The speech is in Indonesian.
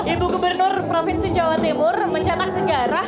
ibu gubernur provinsi jawa timur mencatat segarah